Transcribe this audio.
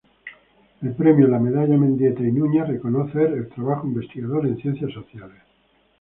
El premio, la medalla Mendieta y Nuñez, reconocer el trabajo investigador en ciencias sociales.